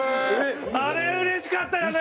あれうれしかったよね！